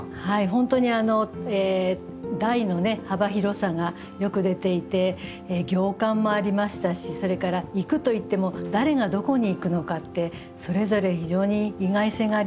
本当に題の幅広さがよく出ていて行間もありましたしそれから行くといっても誰がどこに行くのかってそれぞれ非常に意外性がありましたよね。